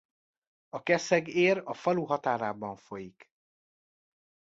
A Keszeg-ér a falu határában folyik.